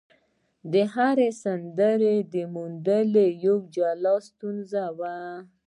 د هر سند موندل یوه جلا ستونزه وه.